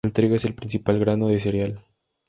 El trigo es el principal grano de cereal.